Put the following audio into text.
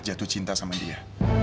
jatuh cinta sama dia